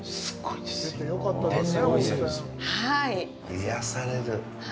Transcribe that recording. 癒やされる。